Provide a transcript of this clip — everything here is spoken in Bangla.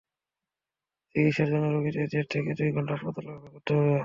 চিকিৎসার জন্য রোগীদের দেড় থেকে দুই ঘণ্টা হাসপাতালে অপেক্ষা করতে হয়।